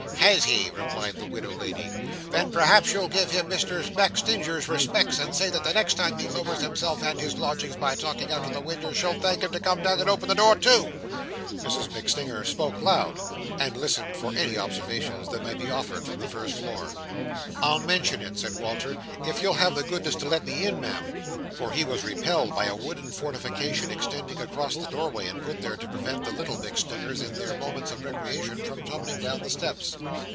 "Has he?" replied the widow lady. "Then p'raps you'll give him Mrs MacStinger's respects, and say that the next time he lowers himself and his lodgings by talking out of the winder she'll thank him to come down and open the door too." Mrs MacStinger spoke loud, and listened for any observations that might be offered from the first floor. "I'll mention it," said Walter, "if you'll have the goodness to let me in, Ma'am." For he was repelled by a wooden fortification extending across the doorway, and put there to prevent the little MacStingers in their moments of recreation from tumbling down the steps.